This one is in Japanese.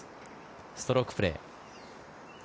ストロークプレー。